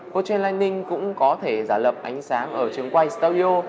coltrane lighting cũng có thể giả lập ánh sáng ở trường quay studio